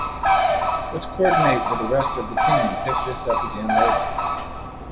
Let's coordinate with the rest of the team and pick this up again later.